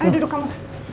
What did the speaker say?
ayo duduk kamu